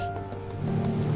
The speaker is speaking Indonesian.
paham pak bos